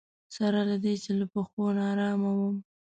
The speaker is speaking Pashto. سره له دې چې له پښو ناارامه وم.